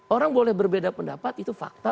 orang boleh berbeda pendapat itu fakta